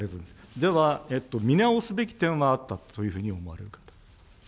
では、見直すべき点はあったというふうに思われる方。